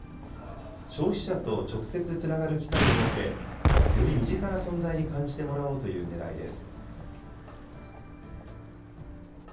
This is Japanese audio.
消費者と直接つながる機会を設け、より身近な存在に感じてもらおうというねらいです。